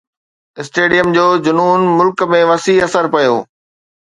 stadium جو جنون ملڪ ۾ وسيع اثر پيو